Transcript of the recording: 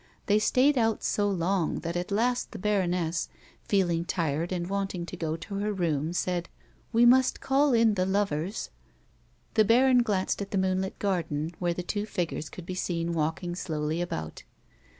They stayed out so long that at last the baroness, feeling tired and wanting to go to her room, said :" We must call in the lovers." The baron glanced at the moonlit garden, where the two figures could be seen walking slowly about.